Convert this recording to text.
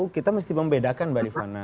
kita mesti membedakan mbak rifana